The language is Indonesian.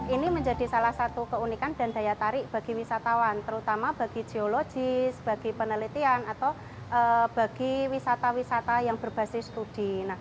ini menjadi salah satu keunikan dan daya tarik bagi wisatawan terutama bagi geologis bagi penelitian atau bagi wisata wisata yang berbasis studi